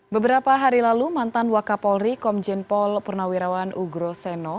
beberapa hari lalu mantan wakapolri komjenpol purnawirawan ugro seno